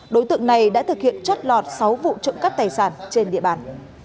đối tượng này đã thực hiện trót lọt sáu vụ trộm cắt tài sản trên địa bàn